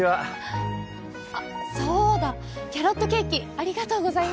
あっそうだキャロットケーキありがとうございました。